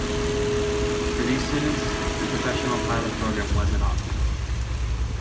For these students, the Professional Pilot program was an option.